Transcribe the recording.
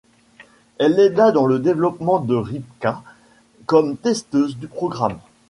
Elle l'aida dans le développement de Rybka comme testeuse du programme.